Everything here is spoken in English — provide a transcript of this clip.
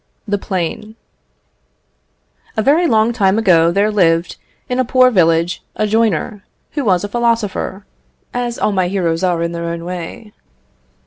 The Plane. A very long time ago there lived, in a poor village, a joiner, who was a philosopher, as all my heroes are in their way.